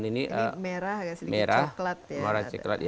ini merah sedikit coklat